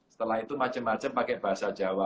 setelah itu macem macem pakai bahasa jawa